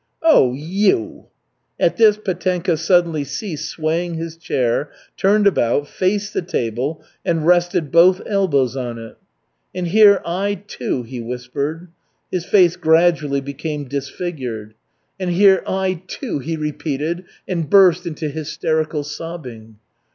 "Oh, you!" At this Petenka suddenly ceased swaying his chair, turned about, faced the table and rested both elbows on it. "And here I, too " he whispered. His face gradually became disfigured. "And here I too " he repeated, and burst into hysterical sobbing.